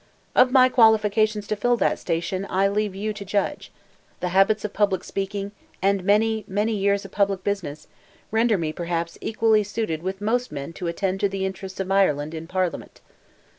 "Of my qualification to fill that station, I leave you to judge. The habits of public speaking, and many, many years of public business, render me, perhaps, equally suited with most men to attend to the interests of Ireland in Parliament.